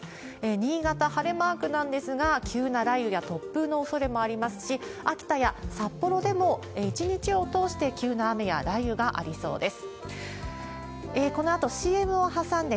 新潟、晴れマークなんですが、急な雷雨や突風のおそれもありますし、秋田や札幌でも一日を通して急な雨や雷雨がありそうです。